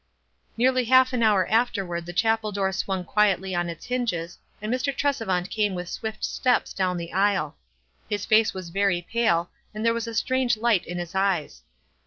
Nearly half an hour afterward the chapel door swung quietly on its hinges, and Mr. Tresevant came with swift steps down the aisle ; his face was very pale, and there was a strange light in his eyes.